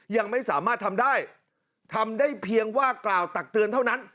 ยังไม่สามารถทำได้ทำได้เพียงว่ากล่าวตักเตือนเท่านั้น